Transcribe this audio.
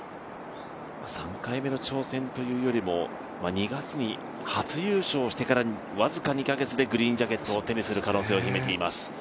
３回目の挑戦というよりも、２月に初優勝してから僅か２カ月でグリーンジャケットを手にする可能性を秘めています。